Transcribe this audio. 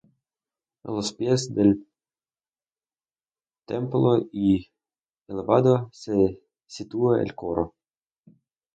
A los pies del templo y elevado, se sitúa el coro.